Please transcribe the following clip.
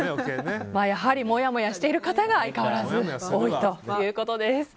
やはりもやもやしているかたが相変わらず多いということです。